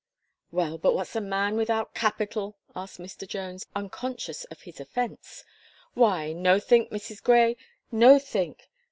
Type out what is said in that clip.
"Well, but what's a man without capital?" asked Mr. Jones, unconscious of his offence, "why, nothink, Mrs. Gray, nothink!